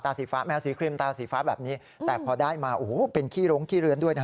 สีฟ้าแมวสีครีมตาสีฟ้าแบบนี้แต่พอได้มาโอ้โหเป็นขี้โรงขี้เลื้อนด้วยนะ